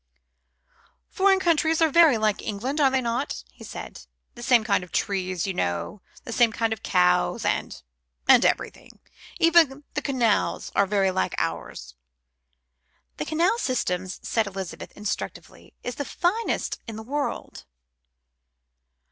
"Foreign countries are very like England, are they not?" he said. "The same kind of trees, you know, and the same kind of cows, and and everything. Even the canals are very like ours." "The canal system," said Elizabeth instructively, "is the finest in the world."